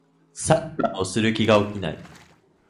サッカーをする気が起きない